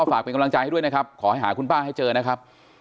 ฝากเป็นกำลังใจนะครับขอหาคุณป้าให้เจอนะครับ